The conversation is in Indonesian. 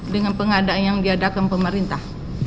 dengan pengadaan yang diadakan pemerintah